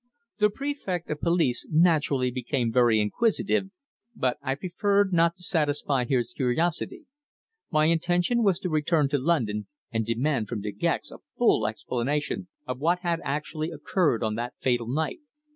The Prefect of Police naturally became very inquisitive, but I preferred not to satisfy his curiosity. My intention was to return to London and demand from De Gex a full explanation of what had actually occurred on that fatal night.